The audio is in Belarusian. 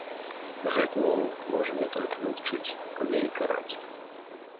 Гэты валун можа не толькі лячыць, але і караць.